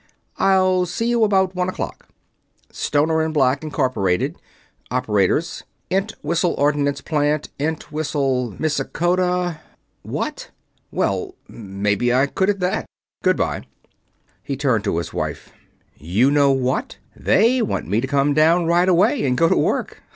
I'll see you about one o'clock ... Stoner and Black, Inc., Operators, Entwhistle Ordnance Plant, Entwhistle, Missikota.... What! Well, maybe I could, at that.... Goodbye." He turned to his wife. "You know what? They want me to come down right away and go to work.